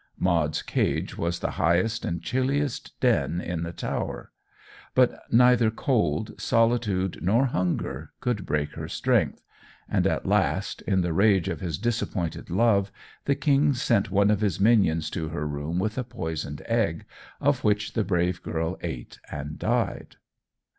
Maud's cage was the highest and chilliest den in the Tower; but neither cold, solitude, nor hunger could break her strength, and at last, in the rage of his disappointed love, the King sent one of his minions to her room with a poisoned egg, of which the brave girl ate and died."